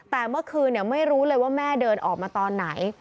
แต่เมื่อคืนไม่รู้เลยว่าแม่เดินออกมาตอนไหน